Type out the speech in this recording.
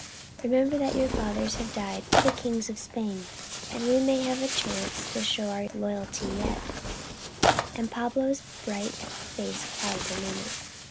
Remember that your fathers have died for the Kings of Spain, and we may have a chance to show our loyalty yet," and Pablo's bright face clouded a moment.